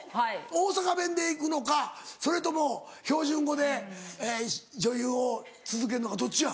大阪弁でいくのかそれとも標準語で女優を続けるのかどっちや？